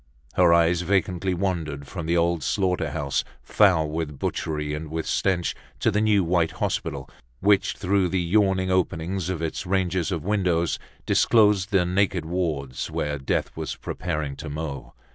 Her eyes vacantly wandered from the old slaughter house, foul with butchery and with stench, to the new white hospital which, through the yawning openings of its ranges of windows, disclosed the naked wards, where death was preparing to mow.